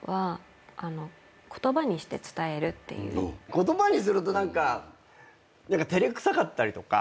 言葉にすると何か照れくさかったりとか。